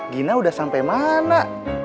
gina udah sampe mana